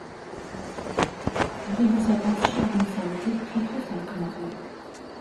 ორივე სათავსში აღმოსავლეთით თითო სარკმელია.